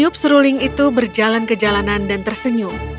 hidup seruling itu berjalan ke jalanan dan tersenyum